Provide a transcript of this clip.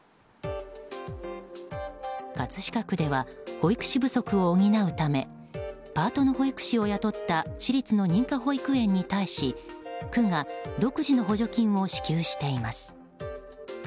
葛飾区では保育士不足を補うためパートの保育士を雇った私立の認可保育園に対し区が独自の補助金を支給しています。